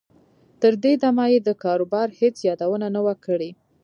تر دې دمه یې د کاروبار هېڅ یادونه نه وه کړې